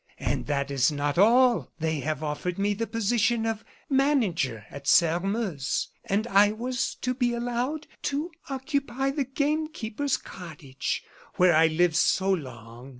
And that is not all; they have offered me the position of manager at Sairmeuse; and I was to be allowed to occupy the gamekeeper's cottage, where I lived so long.